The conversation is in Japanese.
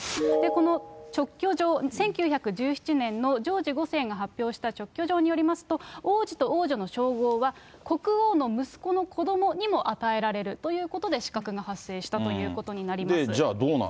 この勅許状、１９１７年にジョージ５世が発表した勅許状によりますと、王子と王女の称号は国王の息子の子どもにも与えられるということで、資格が発生したということになります。